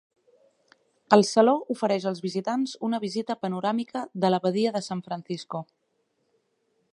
El saló ofereix als visitants una vista panoràmica de la badia de San Francisco.